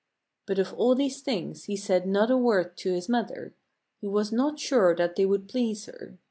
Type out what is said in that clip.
But of all these things he said not a word to his mother. He was not sure that they would please her.